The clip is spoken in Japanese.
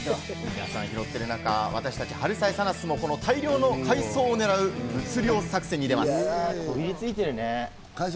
皆さん拾ってる中、私たち、はるさえさなッスも大量の海藻をねらう、物量作戦に出ます。